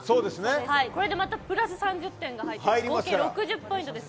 これでまたプラス３０点が入って合計６０ポイントですから。